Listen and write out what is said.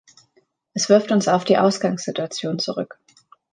Es wirft uns auf die Ausgangssituation zurück.